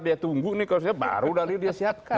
dia tunggu nih khususnya baru dari dia siapkan